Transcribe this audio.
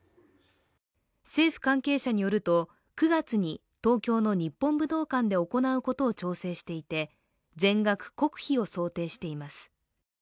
政府関係者によると９月に東京の日本武道館で行うことを調整していて、全額国費を想定しています。